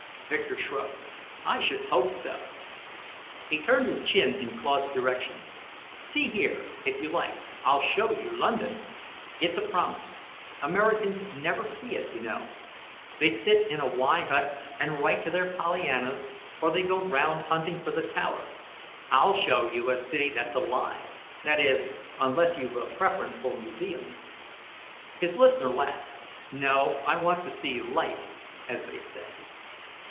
Victor shrugged. "I should hope so!" He turned his chin in Claude's direction. "See here, if you like, I'll show you London! It's a promise. Americans never see it, you know. They sit in a Y. hut and write to their Pollyannas, or they go round hunting for the Tower. I'll show you a city that's alive; that is, unless you've a preference for museums." His listener laughed. "No, I want to see life, as they say."